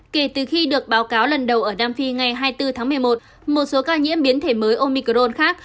kể từ khi được báo cáo lần đầu ở nam phi ngày hai mươi bốn tháng một mươi một một số ca nhiễm biến thể mới omicron khác